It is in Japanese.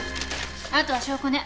あとは証拠ね。